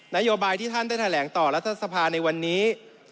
นโยบายที่ท่านได้แถลงต่อรัฐสภาในวันนี้